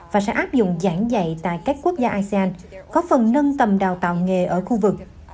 và sẽ áp dụng giảng dạy tại các quốc gia asean có phần nâng tầm đào tạo nghề ở khu vực